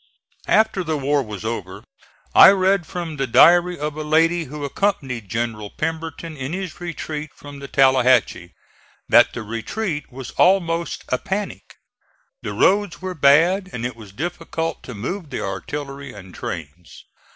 After the war was over I read from the diary of a lady who accompanied General Pemberton in his retreat from the Tallahatchie, that the retreat was almost a panic. The roads were bad and it was difficult to move the artillery and trains.